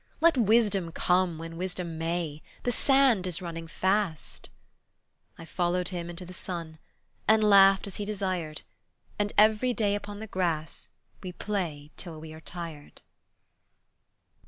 Let wisdom come when wisdom may. The sand is running fast." I followed him into the sun, And laughed as he desired, And every day upon the grass We play till we are tired.